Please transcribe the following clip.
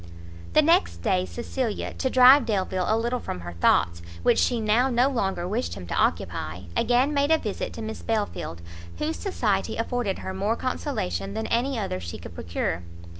The next day Cecilia, to drive Delvile a little from her thoughts, which she now no longer wished him to occupy, again made a visit to Miss Belfield, whose society afforded her more consolation than any other she could procure.